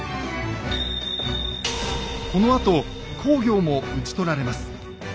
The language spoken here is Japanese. このあと公暁も討ち取られます。